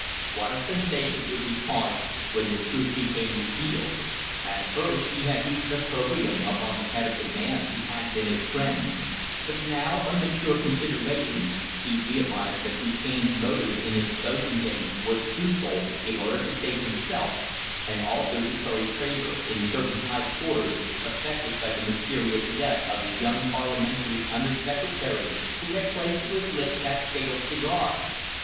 What a sensation would be caused when the truth became revealed! At first he had heaped opprobrium upon the head of the man who had been his friend, but now, on mature consideration, he realized that Du Cane's motive in exposing him was twofold in order to save himself, and also to curry favour in certain high quarters affected by the mysterious death of the young Parliamentary Under Secretary who had placed to his lips that fatal cigar.